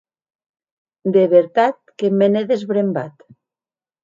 De vertat que me n’è desbrembat.